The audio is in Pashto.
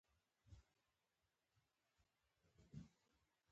هم په دام کي وه دانه هم غټ ملخ وو